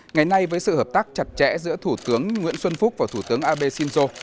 ngày nay với sự hợp tác chặt chẽ giữa thủ tướng nguyễn xuân phúc và thủ tướng abe shinzo